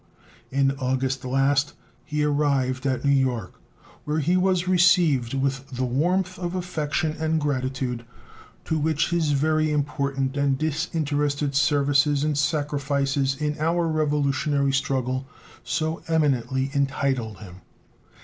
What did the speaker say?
In August last he arrived at New York, where he was received with the warmth of affection and gratitude to which his very important and disinterested services and sacrifices in our Revolutionary struggle so eminently entitled him.